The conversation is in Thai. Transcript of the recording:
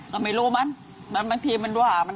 แต่ไม่รู้มันบางทีมันว่ามันด่าฉัน